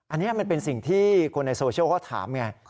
อันนี้มันเป็นสิ่งที่คนในโซเชียลเขาถามไง